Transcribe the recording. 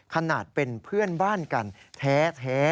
ขนาดเป็นเพื่อนบ้านกันแท้